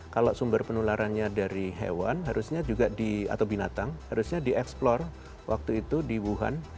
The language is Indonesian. kalau sumber penularannya dari hewan harusnya juga di atau binatang harusnya dieksplor waktu itu di wuhan